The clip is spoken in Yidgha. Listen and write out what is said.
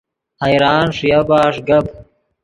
حیران ݰویا بݰ گپ